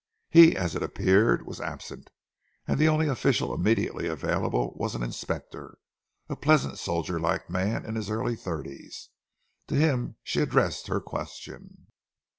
He, as it appeared, was absent, and the only official immediately available was an inspector, a pleasant soldier like man in the early thirties. To him she addressed her question.